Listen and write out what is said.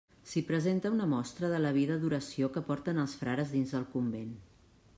S'hi representa una mostra de la vida d'oració que porten els frares dins del convent.